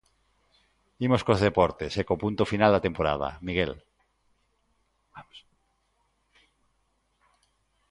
Imos cos deportes, e co punto final da temporada, Miguel.